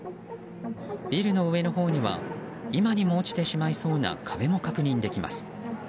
ビルの上のほうには今にも落ちてしまいそうな壁も確認できます。